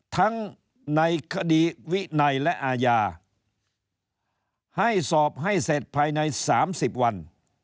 ทั้งในคดีวินัยและอาญาให้สอบให้เสร็จภายใน๓๐วัน